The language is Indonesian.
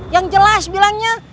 yang jelas bilangnya